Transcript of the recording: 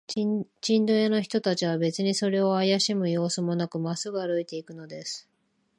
チンドン屋の人たちは、べつにそれをあやしむようすもなく、まっすぐに歩いていくのです。